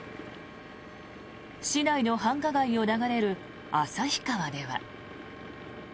市内の繁華街を流れる旭川では。